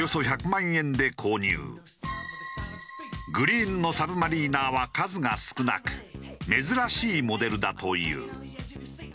グリーンのサブマリーナーは数が少なく珍しいモデルだという。